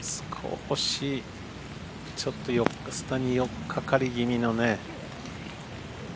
ちょっと下に寄っかかり気味のね。